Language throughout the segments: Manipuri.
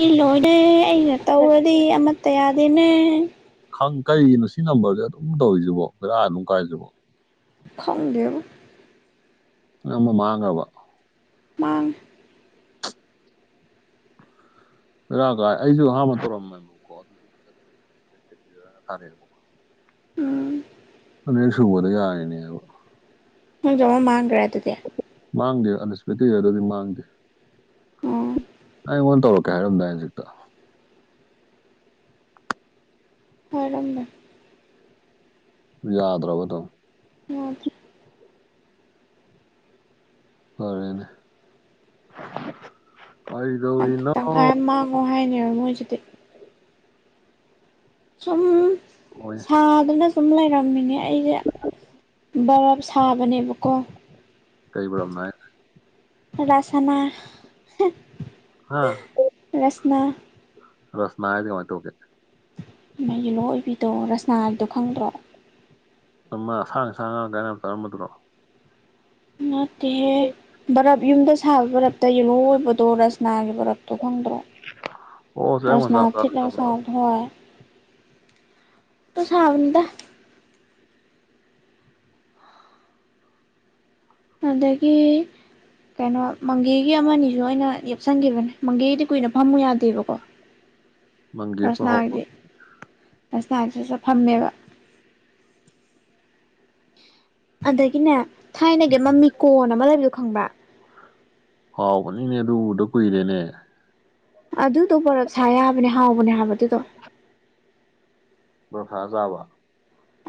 ꯑꯩ ꯂꯣꯏꯅꯦ ꯑꯩꯅ ꯇꯧꯔꯗꯤ ꯑꯃꯠꯇ ꯌꯥꯗꯦꯅꯦ ꯈꯪ ꯀꯔꯤꯒꯤꯅꯣ ꯁꯤ ꯅꯝꯕꯔꯁꯦ ꯑꯗꯨꯝ ꯇꯧꯔꯤꯁꯤꯕꯣ ꯕꯔꯥ ꯑꯗꯨꯝ ꯀꯥꯏꯁꯤꯕꯣ ꯈꯪꯗꯦꯕ ꯑꯃ ꯃꯥꯥꯡꯉ꯭ꯔꯕ ꯃꯥꯡ ꯔꯥꯏ ꯑꯩꯁꯨ ꯑꯍꯥꯟꯕ ꯇꯧꯔꯝꯃꯦꯀꯣ ꯑꯗꯨꯁꯨ ꯆ [unintelligible] [inaudible] ꯎꯝ ꯑꯅꯤꯌꯛ ꯁꯨꯕꯗ ꯌꯥꯔꯤꯅꯦꯕ ꯍꯣꯡꯖ ꯑꯃ ꯃꯥꯡꯈ꯭ꯔꯦ ꯑꯗꯨꯗꯤ ꯃꯥꯡꯗꯦ ꯑꯟꯁꯄꯦꯛꯇꯤ ꯑꯗꯨꯗꯤ ꯃꯥꯡꯗꯦ ꯑꯣ [unintelligible] [inaudible] ꯑꯩ ꯑꯩꯉꯣꯟꯗ ꯇꯧꯔꯛꯀꯦ ꯍꯥꯏꯔꯝꯗꯥꯏ ꯍꯧꯖꯤꯛꯇ ꯐꯔꯝꯅ ꯌꯥꯗ꯭ꯔꯕꯗꯣ ꯍꯣꯏꯔꯝꯗꯅ ꯐꯔꯦꯅꯦ ꯀꯩꯗꯧꯔꯤꯅ ꯇꯪꯈꯥꯏ ꯑꯃ ꯃꯥꯡꯉꯣ ꯍꯥꯏꯅꯦꯕ ꯃꯣꯏꯁꯤꯗꯤ ꯁꯨꯝ ꯍꯣꯏ ꯁꯥꯗꯅ ꯁꯨꯝ ꯂꯩꯔꯝ ꯈꯪꯃꯤꯅꯦ ꯑꯩꯁꯦ ꯕꯔꯞ ꯁꯥꯕꯅꯦꯕꯀꯣ ꯀꯩꯕꯔꯝꯅ ꯔꯥꯁꯅꯥ ꯍꯥ ꯔꯥꯁꯅꯥ ꯔꯁꯅꯥ ꯍꯥꯏꯗꯤ ꯀꯃꯥꯏ ꯇꯧꯒꯦ ꯌꯦꯂꯣ ꯑꯣꯏꯕꯤꯗꯣ ꯔꯁꯅꯥꯒꯤꯗꯣ ꯈꯪꯗ꯭ꯔꯣ ꯃ ꯑꯁꯥꯡ ꯑꯁꯥꯡ ꯉ ꯀ ꯄꯥꯏꯔꯝꯃꯗꯨꯔꯣ ꯅꯠꯇꯦꯍꯦ ꯕꯔꯞ ꯌꯨꯝꯗ ꯁꯥꯕ ꯕꯔꯞꯇ ꯌꯦꯂꯣꯏꯕꯗꯣ ꯔꯁꯅꯥꯒꯤ ꯕꯔꯞꯇꯣ ꯐꯪꯗ꯭ꯔꯣ ꯑꯣ ꯆꯦꯔꯪ ꯔꯖꯅꯥ ꯃꯆꯥ ꯊꯤꯠ ꯃꯆꯥ ꯂꯧꯁꯥ ꯆꯥꯕꯗꯣ ꯊꯏ ꯇꯨꯁꯕꯗ ꯑꯗꯒꯤ ꯀꯩꯅꯣ ꯃꯪꯒꯦꯒꯤ ꯑꯃꯅꯤꯁꯨ ꯑꯩꯅ ꯌꯦꯞꯁꯟꯈꯤꯕꯅꯦ ꯃꯪꯒꯦꯗꯤ ꯀꯨꯏꯅ ꯐꯝꯃꯨ ꯌꯥꯗꯦꯕꯀꯣ ꯃꯪꯒꯦꯞꯀ ꯍꯥꯎꯕ ꯔꯁꯅꯥꯒꯤꯗꯤ ꯁꯅꯥꯁꯤ ꯆ ꯐꯝꯃꯦꯕ ꯑꯗꯒꯤꯅꯦ ꯊꯥꯏꯅꯒꯤ ꯃꯃꯤ ꯀꯣꯟ ꯑꯃ ꯂꯩꯕꯗꯣ ꯈꯪꯕ ꯍꯥꯎꯕꯅꯤꯅꯦ ꯑꯗꯨꯗ ꯀꯨꯏꯔꯦꯅꯦ ꯑꯗꯨꯗꯣ ꯄꯔꯞ ꯁꯥ ꯌꯥꯕꯅꯦ ꯍꯥꯎꯕꯅꯦ ꯍꯥꯏꯕꯗꯨꯗꯣ ꯃꯔꯈꯖꯕ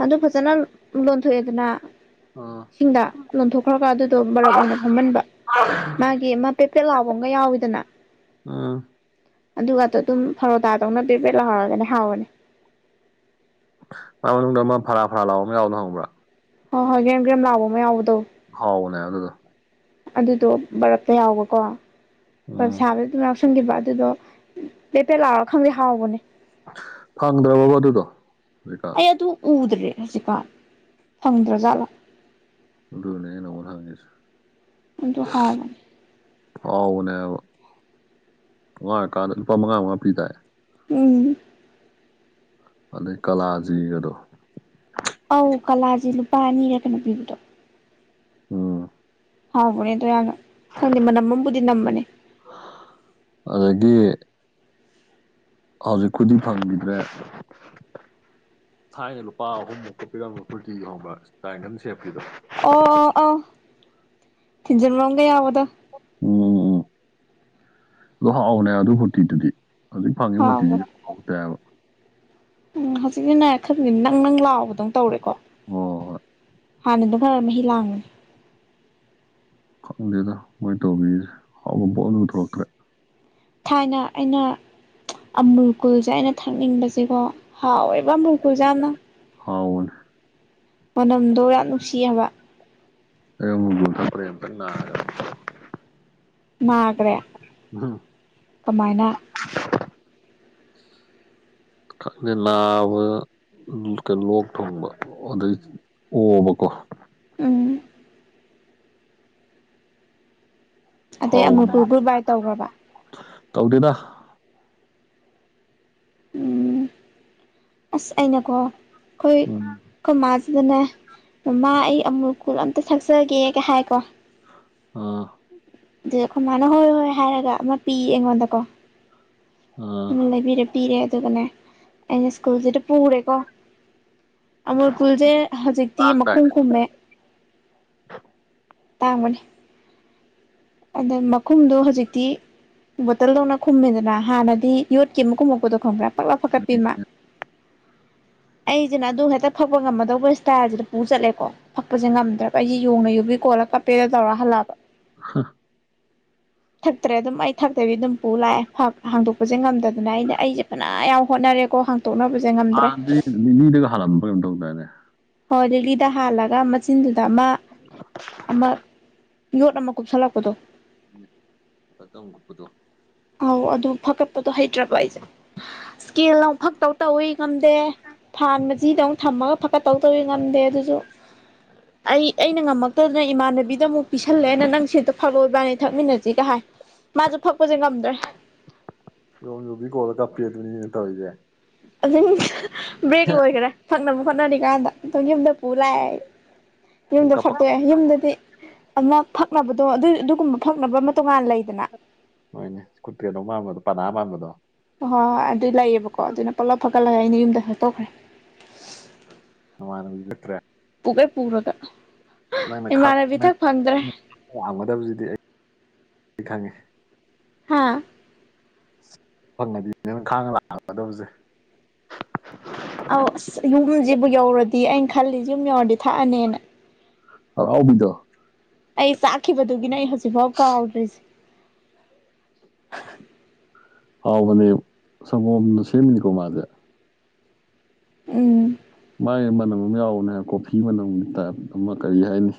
ꯑꯗꯨ ꯐꯖꯅ ꯂꯣꯟꯊꯣꯛꯑꯦꯗꯅ ꯑꯥ ꯁꯤꯡꯗ ꯂꯣꯟꯊꯣꯛꯈ꯭ꯔꯒ ꯑꯗꯨꯗꯣ ꯕꯔꯕ ꯑꯣꯏꯅ ꯐꯝꯍꯟꯕ ꯃꯥꯒꯤ ꯃꯥ ꯄꯦꯄꯦꯠ ꯂꯥꯎꯕ ꯑꯃꯒ ꯌꯥꯎꯋꯤꯗꯅ ꯑꯥ ꯑꯗꯨꯒꯗ ꯑꯗꯨꯝ ꯐꯔꯣꯗꯥ ꯇꯧꯅ ꯄꯦꯕꯦꯠ ꯂꯧꯍꯧꯔꯒꯅꯦ ꯍꯥꯎꯔꯅꯤ ꯃꯥ ꯃꯅꯨꯡꯗ ꯑꯃ ꯐꯔꯥ ꯐꯔꯥ ꯂꯥꯎ ꯑꯃ ꯌꯥꯎꯅꯣ ꯍꯪꯕ꯭ꯔꯥ ꯍꯣꯏ ꯍꯣꯏ ꯀꯦꯝ ꯀꯦꯝ ꯂꯥꯎꯕ ꯑꯃ ꯌꯥꯎꯗꯣ ꯍꯥꯎꯅꯦ ꯑꯗꯨꯗ ꯑꯗꯨꯗꯣ ꯕꯔꯞꯇ ꯌꯥꯎꯕꯀꯣ ꯕꯔꯞ ꯎꯝ ꯁꯥꯕꯗ ꯑꯗꯨꯝ ꯁꯟꯈꯤꯕ ꯑꯗꯨꯗꯣ ꯂꯦꯄꯦꯜꯠ ꯂꯥꯎꯑꯣ ꯈꯪꯗꯦ ꯍꯥꯎꯕꯅꯦ ꯐꯪꯗ꯭ꯔꯕꯕꯣ ꯑꯗꯨꯗꯣ ꯍꯧꯖꯤꯛꯀꯥꯟ ꯑꯩ ꯑꯗꯨ ꯎꯗ꯭ꯔꯦ ꯍꯧꯖꯤꯛꯀꯥꯟ ꯐꯪꯗ꯭ꯔꯥ ꯖꯥꯠꯂꯥ ꯎꯗꯣꯏꯅꯦꯅ ꯃ ꯊꯪꯉꯦꯁꯨ ꯍꯥꯎ ꯑꯥꯎꯅꯦ ꯉꯉ ꯀꯥꯗ ꯂꯨꯄꯥ ꯃꯉꯥ ꯃꯉꯥ ꯄꯤ ꯇꯥꯏ ꯎ ꯑꯗꯩ ꯀꯂꯥꯖꯤꯒꯗꯣ ꯑꯧ ꯀꯂꯥꯥꯁꯦ ꯂꯨꯄꯥ ꯑꯅꯤꯔ ꯀꯩꯅꯣ ꯄꯤꯕꯗꯣ ꯑꯝ ꯍꯕꯅꯦꯗ ꯌꯥꯝꯅ ꯈꯪꯗꯦ ꯃꯅꯝꯝꯕꯨꯗꯤ ꯅꯝꯕꯅꯤ ꯑꯗꯒꯤ ꯍꯧꯖꯤꯛꯄꯨꯗꯤ ꯐꯪꯈꯤꯗ꯭ꯔꯦ ꯊꯥꯏꯅ ꯂꯨꯄꯥ ꯑꯍꯨꯝꯃꯨꯛ ꯄꯤꯔ ꯐꯨꯔꯇꯤ ꯌꯧꯍꯣꯡꯕ꯭ꯔꯥ ꯇꯥꯏꯒꯟ ꯁꯦꯞꯀꯤꯗꯣ ꯑꯣ ꯑꯣ ꯑ ꯊꯤꯟꯖꯤꯟꯕꯝꯒ ꯌꯥꯕꯗꯣ ꯎꯝ ꯎꯝ ꯎꯝ ꯂꯣ ꯍꯥꯎꯅꯦ ꯑꯗꯨꯝ ꯃꯨꯔꯇꯤꯗꯨꯗꯤ ꯍꯧꯖꯤꯛ ꯐꯪꯉꯤ ꯃꯨꯔꯇꯤꯁꯤ ꯍꯥꯎꯕꯅꯦ ꯐꯥꯎꯇꯦꯕ ꯎꯝ ꯍꯧꯖꯤꯛꯁ ꯅꯥꯏꯔ ꯈꯗꯗꯤ ꯅꯪ ꯅꯪ ꯂꯥꯛꯑꯣꯕꯗꯪ ꯇꯧꯔꯦꯀꯣ ꯑꯣ ꯍꯥꯟꯅꯗꯝ ꯈꯔ ꯃꯍꯤ ꯂꯥꯡꯒꯅꯤ ꯈꯪꯗꯦꯗ ꯃꯣꯏ ꯇꯧꯕꯤꯔꯤꯁꯦ ꯍꯥꯎꯕ ꯄꯣꯅ ꯄꯨꯊꯣꯔꯛꯇ꯭ꯔꯦ ꯊꯥꯏꯅ ꯑꯩꯅ ꯑꯃꯨꯜꯀꯨꯜꯁꯦ ꯑꯩꯅ ꯊꯛꯅꯤꯡꯕꯁꯦꯀꯣ ꯍꯥꯎ ꯏꯕ ꯕꯨꯀꯨꯖꯅ ꯐꯥꯎꯟ ꯃꯅꯝꯗꯣ ꯌꯥꯝ ꯅꯨꯡꯁꯤ ꯍꯥꯏꯕ ꯑ ꯃꯨꯕꯨ ꯄ꯭ꯔꯦꯔ [unintelligible] ꯅꯥꯈ꯭ꯔꯦ ꯀꯃꯥꯏꯅ ꯀ ꯅꯥꯕ ꯀꯩꯅꯣ ꯂꯣꯛ ꯊꯣꯡꯕ ꯑꯗꯩ ꯑꯣꯕꯀꯣ ꯑꯝ ꯑꯗꯩ ꯍꯥꯎꯕꯅꯦ ꯑꯃꯨꯔꯀꯨ ꯒ꯭ꯔꯨꯞ ꯕꯥꯏ ꯇꯧꯈ꯭ꯔꯕ ꯇꯧꯗꯦꯗ ꯎꯝ ꯑꯁ ꯑꯩꯅꯀꯣ ꯑꯩꯈꯣꯏ ꯎꯝ ꯑꯩꯈꯣꯏ ꯃꯥ ꯑꯗꯨꯅ ꯃꯃꯥ ꯑꯩ ꯑꯃꯨ ꯀꯨꯜ ꯑꯝꯇ ꯊꯛꯆꯒꯦꯒ ꯍꯥꯏꯀꯣ ꯑꯥ ꯑꯗꯨꯗ ꯑꯩꯈꯣꯏ ꯃꯥꯅ ꯍꯣꯏ ꯍꯣꯏ ꯍꯥꯏꯔꯒ ꯑꯃ ꯄꯤꯌꯦ ꯑꯩꯉꯣꯟꯗꯀꯣ ꯑꯥ ꯕꯤꯔ ꯄꯔꯦ ꯑꯗꯨꯒꯅꯦ ꯑꯩꯅ ꯁ꯭ꯀꯨꯜꯁꯤꯗ ꯄꯨꯈꯔꯦꯀꯣ ꯑꯃꯨꯔꯀꯨꯜꯁꯦ ꯍꯧꯖꯤꯛꯇꯤ ꯃꯈꯨꯝ ꯇꯥꯡꯗꯥꯏꯅꯦ ꯑꯗꯨꯝ ꯈꯨꯝꯃꯦ [inaudible] ꯇꯥꯡꯃꯅꯦ ꯑꯗ ꯃꯈꯨꯝꯗꯣ ꯍꯧꯖꯤꯛꯇꯤ ꯕꯣꯇꯜꯗꯧꯅ ꯈꯨꯝꯃꯤꯗꯅ ꯍꯥꯟꯅꯗꯤ ꯌꯣꯠꯀꯤ ꯑꯃ ꯈꯨꯝꯃꯛꯄꯗꯣ ꯈꯪꯕ꯭ꯔꯥ ꯄꯛꯂꯞ ꯐꯀꯠꯄꯤꯃ [unintelligible] [inaudible] ꯑꯩꯁꯤꯅ ꯑꯗꯨ ꯍꯦꯛꯇ ꯐꯛꯄ ꯉꯝꯃꯗꯧꯕ ꯏꯁꯇꯥꯏꯜꯁꯤꯗ ꯄꯨ ꯆꯠꯂꯦꯀꯣ ꯐꯛꯄꯁꯦ ꯉꯝꯗ꯭ꯔꯕ ꯑꯩꯁꯦ ꯌꯣꯡꯅ ꯌꯨꯕꯤ ꯀꯑꯣ ꯀꯣꯂ ꯀꯞꯄꯦꯔ ꯇꯧꯔꯥ ꯍꯜꯂꯑꯕ ꯍ [unintelligible] [inaudible] ꯊꯛꯇ꯭ꯔꯦ ꯑꯗꯨꯝ ꯑꯩ ꯊꯛꯇꯕꯤ ꯑꯗꯨꯝ ꯄꯨ ꯂꯥꯛꯑꯦ ꯍꯥꯡꯗꯣꯛꯄꯁꯨꯦ ꯁꯦ ꯉꯝꯗꯅ ꯑꯩꯅ ꯑꯩꯁꯦ ꯐꯅ ꯌꯥꯝ ꯍꯣꯠꯅꯔꯦꯀꯣ ꯍꯥꯡꯇꯣꯛꯅꯕꯁꯦ ꯉꯝꯗ꯭ꯔꯦ ꯍꯗꯅꯦꯦ ꯍꯣꯏ ꯗꯦꯂꯤꯗ ꯍꯥꯜꯂꯒ ꯃꯆꯤꯟꯗꯨꯗ ꯑꯃ ꯑꯃ ꯌꯣꯠ ꯅꯃ ꯀꯨꯞꯁ ꯂꯥꯛꯄꯗꯣ ꯎ ꯑ ꯇ ꯀꯄꯗꯣ ꯑꯧ ꯑꯗꯨ ꯐꯒꯠꯄꯗꯣ ꯍꯩꯇ꯭ꯔꯕ ꯑꯩꯁꯦ ꯏꯁꯀꯦꯜ ꯑꯃ ꯐꯛꯇꯧ ꯇꯧꯋꯤ ꯉꯝꯗꯦ ꯐꯥꯟꯕꯁꯤꯗ ꯑꯃꯨꯛ ꯊꯝꯃꯒ ꯐꯀꯠ ꯇꯧꯗꯧꯤ ꯉꯝꯗꯦ ꯑꯗꯨꯁꯨ ꯑꯩ ꯑꯩꯅ ꯉꯝꯃꯛꯇꯗꯅ ꯏꯃꯥꯟꯅꯕꯤꯗ ꯑꯃꯨꯛ ꯄꯤꯁꯜꯂꯦꯅ ꯅꯪ ꯁꯤꯗ ꯐꯔꯛꯑꯣꯕꯅꯦ ꯊꯛꯃꯤꯟꯅꯁꯤꯒ ꯍꯥꯏ ꯃ ꯎ ꯊꯛꯄꯖ ꯌ ꯌ ꯀꯣꯂ ꯀꯥꯄꯤꯤ ꯑꯗꯨꯅꯤ ꯇꯧꯏꯗꯦ ꯑꯗꯨꯝ ꯕ꯭ꯔꯦꯛ ꯂꯣꯏꯈ꯭ꯔꯦ ꯐꯪꯅꯕ ꯍꯣꯠꯅꯔꯤꯀꯥꯟꯗ ꯑꯗꯨꯝ ꯌꯨꯝꯗ ꯄꯨ ꯂꯥꯛꯑꯦ ꯑꯩ ꯅꯪ ꯌꯨꯝꯗ ꯀꯞꯄ ꯐꯠꯇꯣꯛꯑꯦ ꯌꯨꯝꯗꯗꯤ ꯑꯗꯨꯅ ꯐꯛꯅꯕꯗꯣ ꯑꯗꯨ ꯑꯗꯨꯒꯨꯝꯕ ꯐꯛꯅꯕ ꯑꯃ ꯇꯣꯉꯥꯟꯅ ꯂꯩꯗꯅ ꯍꯣꯏꯅꯦ ꯁꯀꯨꯇꯤ ꯑꯗꯨꯧ ꯄꯝꯕꯗꯣ ꯄꯅꯥ ꯄꯥꯝꯕꯗꯣ ꯍ ꯍꯣꯏ ꯍꯣꯏ ꯑꯗꯨꯏ ꯂꯩꯑꯕꯀꯣ ꯑꯗꯨꯅ ꯄꯨꯜꯂꯞ ꯐꯒꯠꯂꯒ ꯑꯩꯅ ꯌꯨꯝꯗ ꯍꯛꯇꯣꯛꯈ꯭ꯔꯦ ꯃꯃꯅꯠꯇ꯭ꯔꯦ ꯄꯨꯕ ꯄꯨꯔꯒ ꯏꯃꯥꯟꯅꯕꯤ ꯊꯛ ꯐꯪꯗ꯭ꯔꯦ ꯅꯪꯅꯒꯗꯕꯁꯤꯗꯤ ꯑꯩ ꯈꯪꯉꯤ ꯍꯥꯥ ꯐꯪꯉꯗꯤ ꯅ ꯈꯥꯡꯅ ꯂꯥꯛꯑꯒꯗꯕꯁꯦ ꯑꯧ ꯑꯁ ꯌꯨꯝꯁꯤꯕꯨ ꯌꯧꯔꯗꯤ ꯑꯩꯅ ꯈꯜꯂꯤꯁꯦ ꯌꯨꯝ ꯌꯧꯔꯗꯤ ꯊꯛꯑꯅꯦꯅ ꯑꯥꯎꯕꯤꯗ ꯑꯩ ꯆꯥꯛꯈꯤꯕꯗꯨꯒꯤꯅꯦ ꯑꯩ ꯍꯧꯖꯤꯛꯐꯥꯎ ꯀꯥꯎꯗ꯭ꯔꯤꯁꯦ ꯑꯥꯎ ꯃꯅꯤ ꯁꯅ ꯁꯦꯃꯤꯅꯤꯀꯣ ꯃꯥꯗꯦ ꯎꯝ ꯃꯥꯥꯏꯒꯤ ꯃꯅꯝ ꯑꯃ ꯌꯥꯎꯕꯅꯦ ꯀꯣꯐꯤ ꯃꯅꯝꯒꯤ ꯇꯥꯏꯞ ꯑꯃ ꯀꯔꯤ ꯍꯥꯏꯅꯤ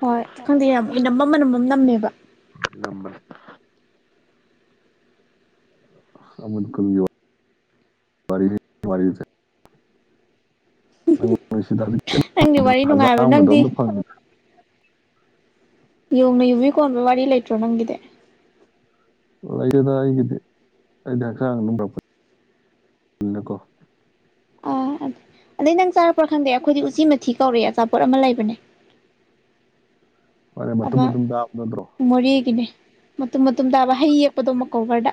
ꯍꯣꯏ ꯈꯪꯗꯦ ꯌꯥꯝꯅ ꯃꯃꯅꯝꯃꯝ ꯅꯝꯃꯦꯕ ꯂꯝꯝꯕꯜ ꯑ ꯃꯀꯒꯤ ꯋꯥꯔꯤ ꯅꯪꯗꯤ ꯖꯤ ꯋꯥꯔꯤ ꯍꯖꯥ ꯅꯨꯡꯉꯥꯏꯕ ꯑꯃꯒꯗ ꯅꯪꯗꯤ ꯑꯝꯇ ꯐꯪꯉ ꯌꯣꯡꯅ ꯌꯨꯕꯤ ꯀꯣꯟꯕ ꯋꯥꯔꯤ ꯂꯩꯇ꯭ꯔꯣ ꯅꯪꯒꯤꯗꯤ ꯂꯩꯒꯦꯗ ꯑꯩꯒꯤꯗꯤ ꯑꯩꯗꯤ ꯍꯛꯆꯥꯡ ꯅ ꯄꯨꯔꯛꯄ ꯅꯀꯣ ꯑꯥ ꯑꯗ ꯑꯗꯩ ꯅꯪ ꯆꯥꯔꯛꯄ꯭ꯔꯥ ꯈꯪꯗꯦ ꯑꯩꯈꯣꯏꯗꯤ ꯎꯆꯤ ꯃꯊꯤ ꯀꯧꯔꯛꯑꯦ ꯑꯆꯥꯄꯣꯠ ꯑꯃ ꯂꯩꯕꯅꯦ [unintelligible] [inaudible] ꯐꯔꯦ ꯑ ꯃꯇꯨꯝ ꯃꯇꯨꯝ ꯇꯥꯕ ꯅꯠꯇ꯭ꯔꯣ ꯃꯔꯤ ꯀꯅꯦ ꯃꯇꯨꯝ ꯃꯇꯨꯝ ꯇꯥꯕ ꯍꯩ ꯌꯦꯛꯄꯗꯣ ꯃꯀꯕꯔꯗ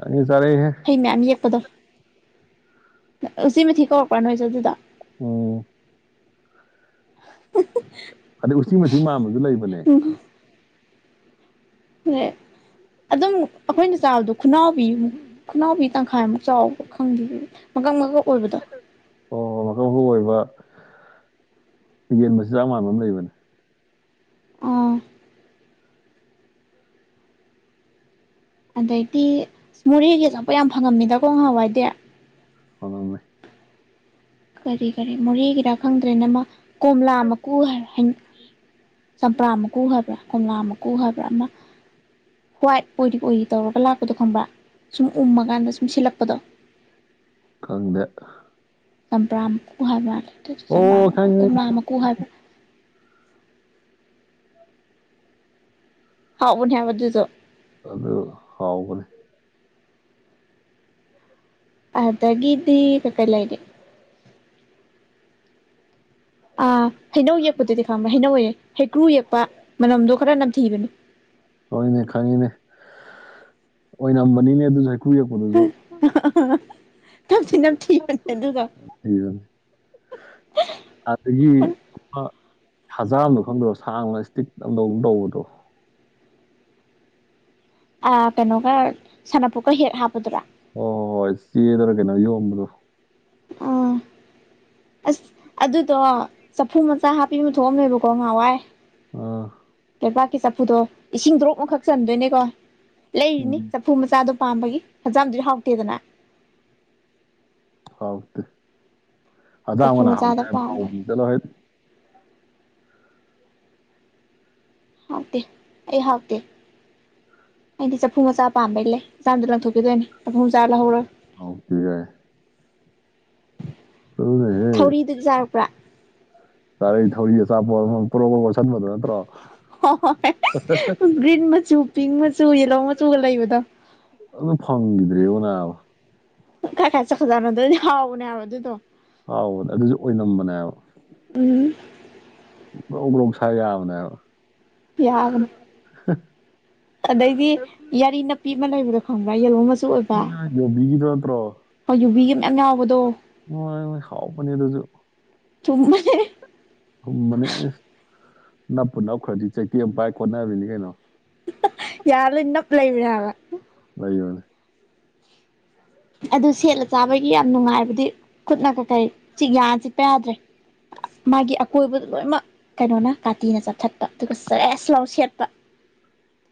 ꯆꯥꯅꯤꯡꯉꯦ ꯆꯥꯔꯛꯏꯍꯦ ꯍꯩ ꯃꯌꯥꯝ ꯌꯦꯛꯄꯗꯣ ꯁꯤꯃꯤ ꯊꯀ ꯍꯔ ꯄꯅ ꯑꯣꯏꯖ ꯑꯗꯨꯗꯥ ꯎꯝ ꯎ [unintelligible] [inaudible] ꯑꯗꯩ ꯎꯆꯤ ꯃꯊꯤ ꯃ ꯑꯃꯁꯁꯨ ꯂꯩꯕꯅꯦ ꯍ [unintelligible] [inaudible] ꯑꯗꯨꯝ ꯑꯩꯈꯣꯏꯅ ꯆꯥꯕꯗꯣ ꯈꯨꯅꯥꯎꯕꯤ ꯑꯃꯨꯛ ꯈꯨꯅꯥꯎꯕꯤ ꯇꯪꯈꯥꯏꯃꯨꯛ ꯆꯥꯎꯕ ꯈꯪꯗꯦ ꯃꯀꯛ ꯃꯀꯛ ꯑꯣꯏꯕꯗꯣ ꯑꯣ ꯃꯈꯀꯛ ꯃꯀꯨ ꯑꯣꯏꯕ ꯌꯦꯟ ꯃꯕꯁꯤ ꯆꯥꯛ ꯃꯥꯟꯕ ꯑꯃ ꯂꯩꯕꯅꯦ ꯑꯥ ꯑꯗꯩꯗꯤ ꯃꯣꯔꯦꯒꯤ ꯑꯆꯧꯕꯄ ꯌꯥꯝ ꯐꯪꯉꯝꯃꯤꯗꯀꯣ ꯉꯍꯥꯎꯋꯥꯏꯗꯤꯦ ꯍꯉꯃꯦ ꯀꯔꯤ ꯀꯔꯤ ꯃꯣꯔꯦꯒꯤꯔꯥ ꯈꯪꯗ꯭ꯔꯦ ꯅꯃ ꯀꯣꯝꯂꯥ ꯃꯀꯨ ꯍꯩꯔ ꯍꯩꯟ ꯆꯝꯄ꯭ꯔꯥ ꯃꯀꯨ ꯍꯥꯏꯕ꯭ꯔꯥ ꯀꯣꯝꯂꯥ ꯃꯀꯨ ꯍꯥꯏꯕ꯭ꯔꯥ ꯑꯃ ꯍ꯭ꯋꯥꯏꯠ ꯑꯣꯏꯔꯤ ꯑꯣꯏꯔꯤ ꯇꯧꯔꯒ ꯂꯥꯛꯄꯗꯣ ꯈꯪꯕ꯭ꯔꯥ ꯁꯨꯝ ꯎꯝꯃꯒꯥꯟꯗ ꯁꯨꯝ ꯁꯤꯜꯂꯛꯄꯗꯣ ꯈꯪꯗꯦ ꯆꯝꯕ꯭ꯔꯝ ꯃꯀꯨ ꯍꯥꯏꯕ꯭ꯔꯥ ꯆ ꯆ ꯑꯣ ꯆꯝꯕꯔꯥ ꯈꯪꯉꯦ ꯀꯣꯝꯂꯥ ꯃꯀꯨ ꯍꯥꯏꯕ꯭ꯔꯥ ꯍꯥꯎ ꯎꯅꯤ ꯍꯥꯏꯕ ꯑꯗꯨꯗꯣ ꯑꯗꯨ ꯍꯥꯎꯕꯅꯦ ꯑꯗꯨꯒꯤꯗꯤ ꯀ ꯀꯩ ꯂꯩꯔꯦ ꯑ ꯍꯩꯅꯧ ꯌꯦꯛꯄꯗꯨꯗꯤ ꯈꯥꯝꯕ ꯍꯩꯅꯧꯑꯌꯦ ꯍꯩꯀ꯭ꯔꯨ ꯌꯦꯛꯄ ꯃꯅꯝꯗꯣ ꯈꯔ ꯅꯝꯊꯤꯕꯅꯤ ꯍꯣꯏꯅꯦ ꯈꯪꯉꯤꯅꯦ ꯑꯣꯏꯅꯝꯕꯅꯤꯅꯦ ꯑꯗꯨꯖꯨ ꯍꯦꯛ ꯀꯨ ꯌꯦꯛꯄꯗꯨꯖꯨ ꯊꯝꯊꯤ ꯄꯝꯊꯤꯕꯅꯦ ꯑꯗꯨꯗꯣ ꯏꯕꯅꯤ ꯑꯗꯒꯤ ꯑ ꯍꯖꯥꯝ ꯗꯣ ꯈꯪꯗ꯭ꯔꯣ ꯁꯥꯡꯅ ꯏꯁꯇꯤꯛ ꯅꯪꯗꯧ ꯇꯧꯕꯗꯣ ꯑ ꯀꯩꯅꯣꯒ ꯁꯥꯟꯅꯄꯣꯠꯀ ꯍꯦꯛ ꯍꯥꯞꯄꯗꯨꯔꯥ ꯑꯣ ꯍꯣ ꯍꯣꯏ ꯆꯦꯗꯔ ꯀꯩꯅꯣ ꯌꯣꯝꯕꯗꯨ ꯑꯥ ꯑꯁ ꯑꯗꯨꯗꯣ ꯆꯐꯨ ꯃꯆꯥ ꯍꯥꯞꯄꯤ ꯑꯃ ꯊꯣꯛꯑꯝꯃꯦꯕꯀꯣ ꯉꯍꯥꯋꯥꯏ ꯑꯥ ꯂꯩꯄꯥꯛꯀꯤ ꯆꯐꯨꯗꯣ ꯏꯁꯤꯡ ꯗꯣꯔꯣꯞ ꯑꯃꯈꯛ ꯆꯟꯗꯣꯏꯅꯦꯀꯣ ꯂꯩꯔꯤꯅꯤ ꯎꯝ ꯆꯐꯨ ꯃꯆꯥꯗꯣ ꯄꯥꯝꯕꯒꯤ ꯐꯖꯥꯝꯗꯨꯗꯤ ꯍꯥꯎꯇꯦꯗꯅ ꯆꯐꯨ ꯑꯗꯥꯥꯉꯣꯅ ꯍꯥꯎꯅꯦ ꯃꯆꯥꯗ ꯍꯥꯏꯔ ꯄꯥꯝꯕꯩ ꯃꯍꯥꯎꯗꯤ ꯆꯠꯂꯣꯍꯦꯠ ꯍꯥꯎꯇꯦ ꯑꯩ ꯍꯥꯎꯇꯦ ꯑꯩꯗꯤ ꯆꯐꯨ ꯃꯆꯥ ꯄꯥꯝꯕꯩ ꯂꯩ ꯆꯥꯝꯗꯣ ꯂꯪꯊꯣꯛꯀꯦ ꯗꯧꯏꯅꯦ ꯆꯐꯨ ꯃꯆꯥ ꯂꯧꯍꯧꯔꯣꯏ ꯍꯥꯎꯇꯦ ꯌꯥꯏ ꯊꯧꯔꯤꯗꯨꯗꯤ ꯆꯥꯔꯛꯄ꯭ꯔꯥ ꯕꯔꯝ ꯄꯔꯣ ꯄꯔꯣ ꯍꯣ ꯍꯣ ꯍꯣꯏ ꯒ꯭ꯔꯤꯟ ꯃꯆꯨꯞ ꯄꯤꯡ ꯃꯆꯨ ꯌꯦꯂꯣ ꯃꯆꯨꯒ ꯂꯩꯕꯗꯣ ꯑꯗꯨ ꯐꯪꯈꯤꯗ꯭ꯔꯦ ꯑꯣ ꯅꯥꯕ ꯀꯥꯏ ꯀꯥꯏ ꯆꯈꯖꯥꯅꯣ ꯗꯣꯏꯅꯤ ꯍꯥꯎꯕꯅꯦ ꯍꯥꯏꯕ ꯑꯗꯨꯗꯣ ꯑꯥꯎꯕꯅꯦ ꯑꯗꯨꯁꯨ ꯑꯣꯏꯅꯝꯕꯅꯦꯑꯕ ꯎꯝ ꯒꯔꯧ ꯒꯔꯧ ꯁꯥꯏꯔ ꯌꯥꯕꯅꯦ ꯍꯥꯏꯕ ꯌꯥꯕꯅꯦ ꯑꯗꯩꯗꯤ ꯌꯥꯔꯤ ꯅꯞꯄꯤ ꯑꯃ ꯂꯩꯕꯗꯣ ꯈꯪꯕ꯭ꯔꯥ ꯌꯦꯜꯣ ꯃꯠ ꯌ ꯌꯣꯕꯤꯒꯤꯗꯣ ꯅꯠꯇ꯭ꯔꯣ ꯋꯣꯕꯤꯒꯤ ꯃꯌꯥꯝ ꯌꯥꯎꯕꯗꯣ ꯃꯣꯢꯍꯣꯏ ꯍꯥꯎ ꯄꯅꯦ ꯑꯗꯨꯖꯨ ꯊꯨꯝꯃꯦ ꯍꯨꯝꯕꯅꯦ ꯑꯦ ꯅꯞꯄꯨ ꯅꯞꯈ꯭ꯔꯗꯤ ꯆꯩꯊꯦꯝ ꯑꯃ ꯄꯥꯏ ꯀꯣꯟꯅꯕꯤꯅꯤ ꯀꯩꯅꯣ ꯌꯥꯔꯣꯏ ꯅꯞ ꯂꯩꯕꯅꯤ ꯍꯥꯏꯕ ꯂꯩꯒꯅꯦ ꯑꯗꯨ ꯁꯦꯠꯂ ꯆꯥꯕꯒꯤ ꯌꯥꯝ ꯅꯨꯡꯉꯥꯏꯕꯗꯤ ꯈꯨꯠꯅ ꯀꯀꯩ ꯆꯤꯛ ꯌꯥꯅ ꯆꯤꯛꯄ ꯌꯥꯗ꯭ꯔꯦ ꯃꯥꯒꯤ ꯑꯀꯣꯏꯕꯗ ꯂꯣꯏꯅꯃꯛ ꯀꯩꯅꯣꯅ ꯀꯥꯇꯤꯅ ꯆꯞꯊꯠꯄ ꯑꯗꯨꯒ ꯁꯌꯦꯁꯁ ꯂꯥꯎ ꯁꯦꯠꯄ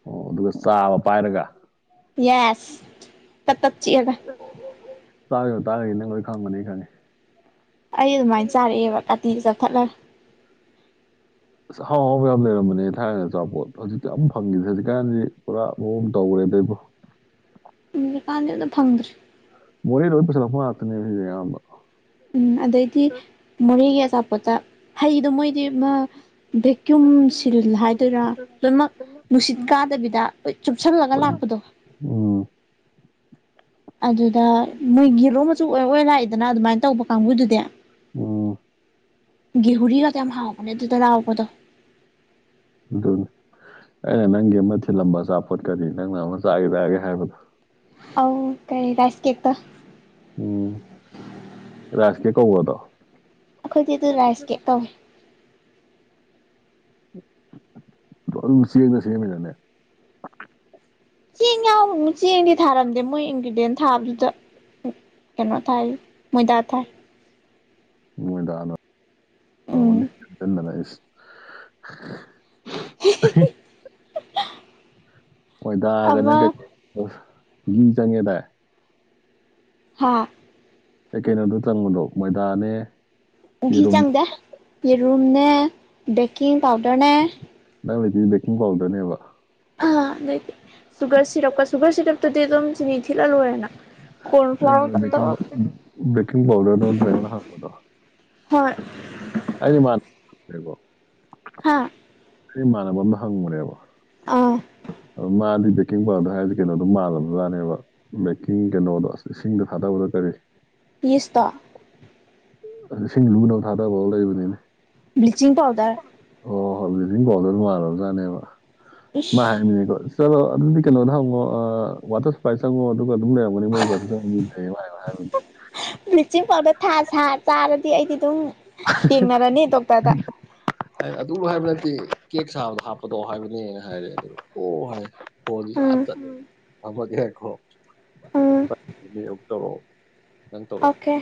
ꯑꯣ ꯑꯗꯨꯒ ꯆꯥꯕ ꯄꯥꯏꯔꯒ ꯌꯦꯁ ꯇꯠ ꯇꯠ ꯆꯤꯛꯑꯗ ꯇꯔꯒꯤ ꯅꯪ ꯂꯣꯏ ꯈꯪꯕꯅꯤ ꯈꯪꯉꯦ ꯑꯩ ꯑꯗꯨꯃꯥꯏꯟ ꯆꯥꯔꯛꯑꯦꯕ ꯀꯥꯇꯤꯅ ꯆꯞꯊꯠꯂ ꯑꯁ ꯑꯍꯥꯎ ꯑꯍꯥꯎꯕ ꯌꯥꯝ ꯂꯩꯔꯝꯕꯅꯦ ꯊꯥꯏꯅ ꯑꯆꯥꯄꯣꯠ ꯍꯧꯖꯤꯛꯇꯤ ꯑꯝ ꯐꯪꯒꯤꯗꯦ ꯍꯧꯖꯤꯛꯀꯥꯟꯖꯤ ꯄꯨꯔꯥ ꯃꯑꯣꯡ ꯇꯧꯒꯔꯦ ꯗꯕꯣ ꯎꯀꯥꯟꯗꯗ ꯐꯪꯗ꯭꯭ꯔꯔꯤ ꯃꯣ ꯂꯣꯏ ꯄꯁꯂ ꯐ ꯍꯥꯠꯇꯅꯦ ꯁꯤ ꯌꯥꯝ ꯑꯆꯥꯄꯣꯠꯠꯇ ꯍꯩꯗꯣ ꯃꯣꯏꯗꯤ ꯃꯥ ꯚꯦꯀ꯭ꯌꯨꯝ ꯁꯤꯜ ꯍꯥꯏꯗꯣꯏꯔꯥ ꯂꯣꯏꯅꯃꯛ ꯅꯨꯡꯁꯤꯠ ꯀꯥꯗꯕꯤꯗ ꯆꯨꯞꯁꯜꯂꯒ ꯂꯥꯛꯄꯗꯣ ꯑꯣ ꯑꯗꯨꯗ ꯅꯣꯏ ꯌꯦꯂꯣ ꯃꯆꯨ ꯑꯣꯏ ꯑꯣꯏ ꯂꯥꯛꯏꯗꯅ ꯑꯗꯨꯃꯥꯏꯅ ꯇꯧꯕ ꯀꯥꯡꯕꯨꯗꯨꯗꯤ ꯑꯣ ꯦꯍꯔꯤ ꯇ ꯑꯃ ꯍꯥꯎꯍ ꯀꯅꯦ ꯑꯗꯨ ꯇꯔꯥꯥꯎ ꯀꯗꯣ ꯑ [unintelligible] [inaudible] ꯑꯩꯅ ꯅꯪꯒꯤ ꯑꯃ ꯊꯤꯜꯂꯝꯕ ꯑꯆꯥꯄꯣꯠ ꯀꯔꯤ ꯅꯪꯅ ꯑꯃ ꯆꯥꯒꯦ ꯇꯥꯒꯦ ꯍꯥꯏꯕꯗꯣ ꯑ ꯀꯩ ꯔꯥꯏꯁ ꯀꯦ ꯀꯦ ꯀꯧꯗꯣ ꯑꯩꯈꯣꯏꯗꯤ ꯑꯗꯨ ꯔꯥꯏꯁ ꯀꯦꯛ ꯇꯧꯋꯦ ꯑꯗꯨ ꯁꯤꯗ ꯁꯤꯦ ꯆꯦꯡ ꯆꯦꯡꯗꯤ ꯊꯥꯔꯝꯗꯦ ꯃꯣꯏ ꯏ ꯗꯦꯟ ꯊꯥꯕꯗꯨꯗ ꯀꯩꯅꯣ ꯊꯥꯏ ꯃꯣꯏꯗꯥ ꯊꯥꯏ ꯃꯣꯏꯗ ꯍꯅ ꯎꯝ ꯇꯧꯔꯝꯃꯅꯤꯟꯗ ꯂꯏꯁ [unintelligible] [inaudible] [unintelligible] [inaudible] ꯍꯣꯏ ꯗꯥꯑꯒ ꯑꯃ ꯅꯪ ꯀꯩꯀꯩ ꯘꯤ ꯆꯪꯉꯦꯗ ꯍꯥ ꯑꯦ ꯀꯩꯅꯣꯗꯨꯣ ꯆꯪꯕꯗꯣ ꯃꯣꯏꯗꯥꯅꯦ ꯎꯘꯤ ꯌꯦꯔꯨꯝ ꯆꯪꯗꯦ ꯌꯦꯦꯔꯨꯝꯅꯦ ꯕꯦꯀꯤꯡ ꯄꯥꯎꯗꯔꯅꯦ ꯦꯛꯀꯤꯡ ꯄꯥꯎꯗꯔꯅꯦꯕ ꯑ ꯑꯗꯨꯗꯤ ꯁꯨꯒꯔ ꯁꯤꯔꯞꯀ ꯁꯨꯒꯔ ꯁꯤꯔꯞꯇꯨꯗꯤ ꯑꯗꯨꯝ ꯆꯤꯅꯤ ꯊꯤꯜꯍꯜꯂꯣꯏꯔꯦꯅ ꯕꯦꯀꯤꯡ ꯄꯥꯎꯗꯔꯗ ꯇ꯭ꯔꯉꯅ ꯍꯥꯡꯕꯗꯣ ꯍꯣꯏ ꯍꯥꯏꯗꯤ ꯃꯥꯔꯤꯕꯣ ꯍꯥ ꯁꯤ ꯏꯃꯥꯟꯅꯕ ꯑꯃꯝ ꯍꯪꯕꯅꯦꯕ ꯑꯥ ꯑ ꯃꯥꯗꯤ ꯕꯦꯀꯤꯡ ꯄꯥꯎꯗꯔꯗ ꯍꯥꯏꯔꯤꯁ ꯀꯩꯅꯣꯗꯣ ꯃꯥꯜꯂꯕꯖꯥꯅꯦꯕ ꯕꯦꯀꯤꯡ ꯀꯩꯅꯣꯗꯣ ꯑꯁ ꯏꯁꯤꯡꯗꯣ ꯊꯥꯗ ꯅ ꯇꯔ ꯂꯤꯁꯇ ꯏꯁꯤꯡ ꯂꯨꯕꯗꯧ ꯊꯥꯗꯕꯥꯎ ꯂꯩꯕꯅꯤꯅꯦ ꯕ꯭ꯂꯂꯤꯆꯤꯡꯤꯡ ꯄꯥꯎꯗꯔ ꯣꯗ ꯃꯥꯜꯂꯖꯥꯅꯦꯕ ꯃꯥ ꯏꯁ ꯍꯥꯏꯅꯤꯅꯦꯀꯣ ꯆꯣ ꯑꯗꯨꯗꯤ ꯀꯩꯅꯣꯉꯣ ꯋꯥꯇꯔ ꯁꯥꯏꯁꯉꯣ ꯑꯗꯨꯒ ꯑꯗꯨꯝ ꯂꯩꯔꯝꯒꯅꯤ ꯃꯣꯏ ꯀꯁꯨꯅ ꯍꯥꯏꯕꯅꯦ ꯕ꯭ꯂꯤꯆꯤꯡ ꯄꯥꯎꯗꯔ ꯊꯥ ꯁꯥ ꯆꯥꯔꯗꯤ ꯑꯩꯗꯤ ꯑꯗꯨꯝ ꯊꯦꯡꯅꯔꯅꯤ ꯗꯣꯛꯇꯔꯗ ꯑꯩ ꯑꯗꯨꯕꯨ ꯍꯥꯏꯕ ꯅꯠꯇꯦ ꯀꯦꯛ ꯁꯥꯕꯗꯣ ꯍꯥꯞꯄꯗꯣ ꯍꯥꯏꯕꯅꯦꯅ ꯍꯥꯏꯔꯦ ꯑꯗꯨ ꯑꯣ ꯍꯥꯏ ꯍꯣꯏ ꯎꯝ ꯐꯃ ꯀꯦꯈꯣ ꯎꯝ ꯑꯃꯨꯛ ꯇꯧꯔꯛꯑꯣ ꯅꯪ ꯇꯧꯔꯛꯑꯣ ꯑꯣꯀꯦ